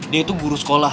dia itu guru sekolah